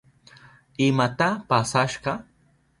¿Imata pasashka?